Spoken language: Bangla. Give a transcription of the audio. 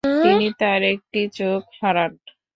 তিনি তার একটি চোখ হারান।